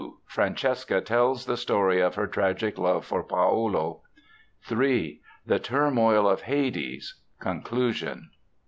Francesca tells the story of her tragic love for Paolo. III. The turmoil of Hades. Conclusion.